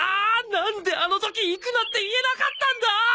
なんであの時行くなって言えなかったんだ！